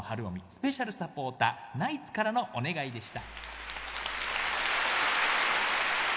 スペシャルサポーターナイツからのお願いでした。